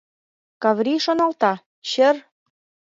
Каврий шоналта: «Чер...